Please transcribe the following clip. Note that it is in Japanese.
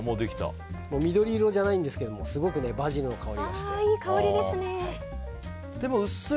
緑色じゃないんですがすごくバジルの香りがして。